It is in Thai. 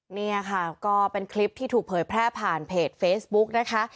นี่ค่ะก็เป็นคลิปที่ถูกเผยแพร่ผ่านเพจเฟซบุ๊กนะคะ